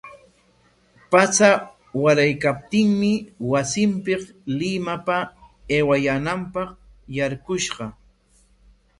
Patsa waraykaptinmi wasinpik Limapa aywananpaq yarqushqa.